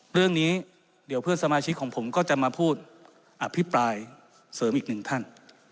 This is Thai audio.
เรื่องนี้เดี๋ยวเพื่อนสมาชิกของผมก็จะมาพูดอภิปรายเสริมอีกหนึ่งท่าน